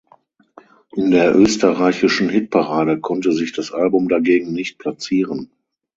In der österreichischen Hitparade konnte sich das Album dagegen nicht platzieren.